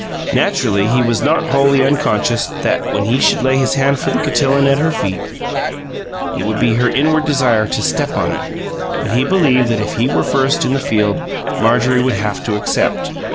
Naturally, he was not wholly unconscious that when he should lay his hand for the cotillon at her feet it would be her inward desire to step on it; but he believed that if he were first in the field Marjorie would have to accept.